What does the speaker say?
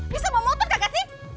bisa mau motor kakak sih